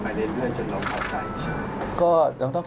กรณีที่ทำศัลยกรรมนายนอทจริงนะครับ